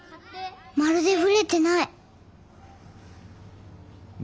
まるでブレてない。